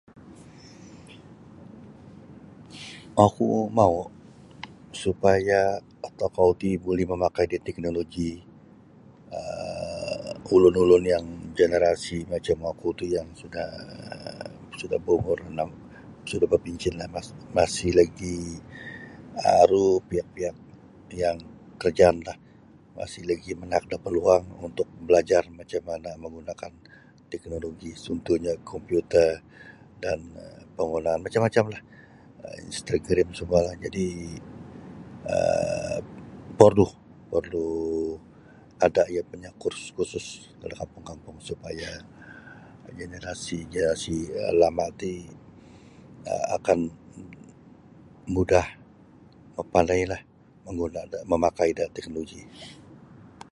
Oku mau' supaya tokou ti buli mamakai da teknoloji um ulun-ulun yang jenerasi macam oku ti yang sudah berumur monong um sudah berpencen masih aru lagi pihak-pihak yang kerajaan masih lagi manaak da peluang untuk belajar macam mana menggunakan teknoloji cuntuhnyo kompiuter dan penggunaan macam-macam instagram semua jadi porlu ada iyo punya kursus da kampung-kampung supaya jenerasi-jenerasi lama ti akan mudah mapandailah mangguna mamakai da teknoloji.